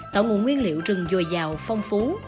tạo nguồn nguyên liệu rừng dồi dào phong phú